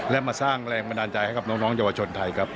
และมาสร้างแรงบันดาลใจให้กับน้องเยาวชนไทยครับ